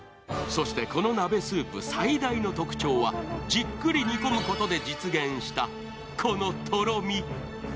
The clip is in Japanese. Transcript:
そしてこの鍋スープ最大の特徴はじっくり煮込むことで実現したこのとろみ。